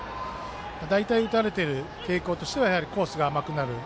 大体打たれてる傾向としてはやはりコースが甘くなる。